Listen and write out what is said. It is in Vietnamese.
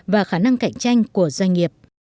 và khả năng cạnh tranh của doanh nghiệp